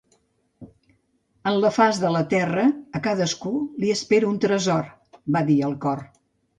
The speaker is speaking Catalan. "En la faç de la terra, a cadascú, li espera un tresor", va dir el cor.